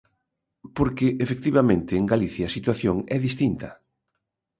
Porque, efectivamente, en Galicia a situación é distinta.